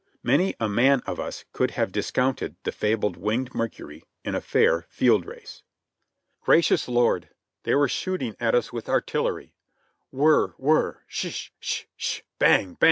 Many a man of us could have dis counted the fabled winged Mercury in a fair field race. Gracious Lord ! They were shooting at us with artillery ! Whir ! Whir ! Sh !— sh !— sh !— bang